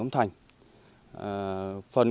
từng thành từng bao từng thành